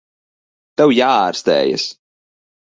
Tev jāārstējas.